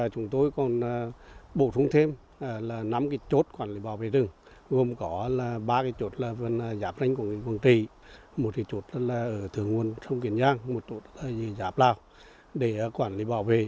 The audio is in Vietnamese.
chúng tôi còn bổ trúng thêm năm chốt quản lý bảo vệ rừng gồm có ba chốt là giáp ránh quần trì một chốt là ở thường nguồn sông kiển giang một chốt là giáp lào để quản lý bảo vệ